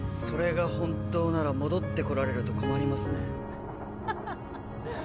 それが本当なら戻ってこられると困りますねハハハ